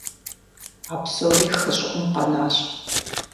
А псори хы щӀыӀум къэнащ.